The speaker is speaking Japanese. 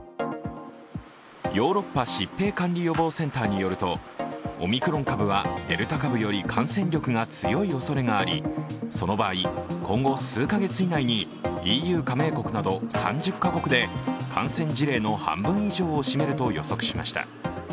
ヨーロッパ疾病管理予防センターによるとオミクロン株はデルタ株より感染力が強いおそれがあり、その場合、今後数カ月以内にＥＵ加盟国など３０カ国で感染事例の半分以上を占めると予測しました。